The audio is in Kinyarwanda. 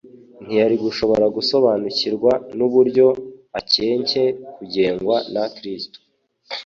ntiyari gushobora gusobanukirwa n'uburyo akencye kugengwa na Kristo.